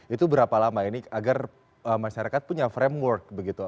itu berapa lama ini agar masyarakat punya framework begitu